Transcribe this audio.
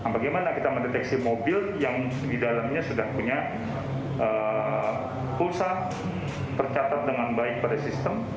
bagaimana kita mendeteksi mobil yang di dalamnya sudah punya pulsa tercatat dengan baik pada sistem